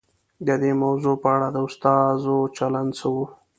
د دې موضوع په اړه د استازو چلند څه و؟